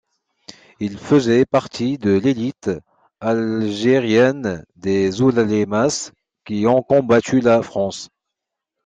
Il faisait partie de l'élite algérienne des oulémas qui ont combattu la France.